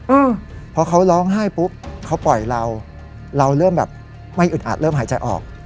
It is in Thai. อืมพอเขาร้องไห้ปุ๊บเขาปล่อยเราเราเริ่มแบบไม่อึดอัดเริ่มหายใจออก